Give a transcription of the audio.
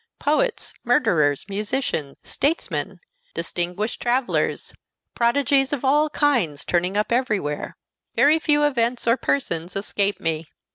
Poets, murderers, musicians, statesmen, distinguished travelers, prodigies of all kinds turning up everywhere. Very few events or persons escape me.